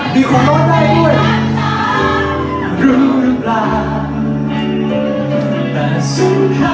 มีความรู้ใจด้วย